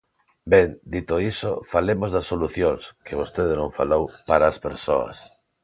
Ben, dito iso, falemos das solucións –que vostede non falou– para as persoas.